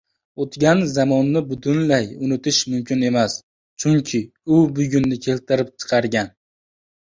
O‘tgan zamonni butunlay unitish mumkin emas, chunki u bugunni keltirib chiqargan.